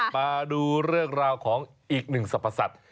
มาดูเรื่องราวของอีกหนึ่งสรรพสัตว์